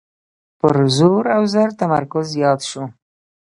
پر زور او زر تمرکز زیات شو.